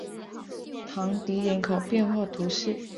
唐迪人口变化图示